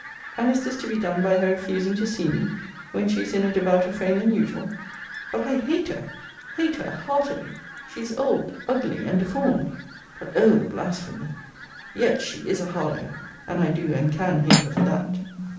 And is this to be done by her refusing to see me when she is in a devouter frame than usual? But I hate her, hate her heartily! She is old, ugly, and deformed. But O the blasphemy! yet she is a Harlowe: and I do and can hate her for that.